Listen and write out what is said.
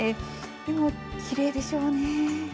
でもきれいでしょうね。